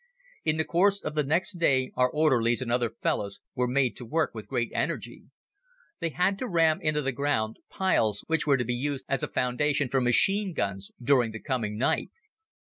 In the course of the next day our orderlies and other fellows were made to work with great energy. They had to ram into the ground piles which were to be used as a foundation for machine guns during the coming night.